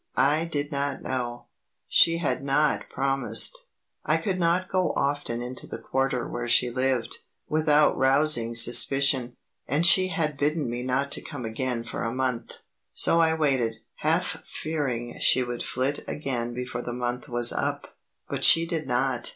I did not know; she had not promised. I could not go often into the quarter where she lived, without rousing suspicion; and she had bidden me not to come again for a month. So I waited, half fearing she would flit again before the month was up. But she did not.